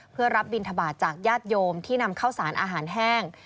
เพื่อรับบินทบาทจากญาติโยมที่นำเข้าสารอาหารแห้ง